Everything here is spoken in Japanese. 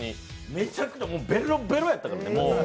めちゃくちゃ、もうベロベロやったからね。